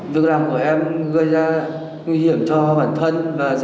việc làm của em gây ra nguy hiểm cho bản thân